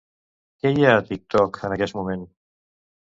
Què hi ha a TikTok en aquest moment?